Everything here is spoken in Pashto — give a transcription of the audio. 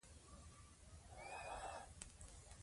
خج د لهجې څخه مهم دی.